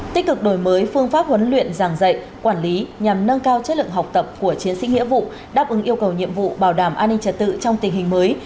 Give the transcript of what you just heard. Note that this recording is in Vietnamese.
tích cực đổi mới phương pháp huấn luyện giảng dạy quản lý nhằm nâng cao chất lượng học tập của chiến sĩ nghĩa vụ đáp ứng yêu cầu nhiệm vụ bảo đảm an ninh trật tự trong tình hình mới